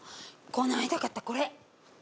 この間買ったこれ。